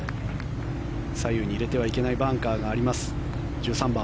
左右に入れてはいけないバンカーがあります、１３番。